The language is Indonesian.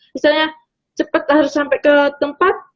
misalnya cepat harus sampai ke tempat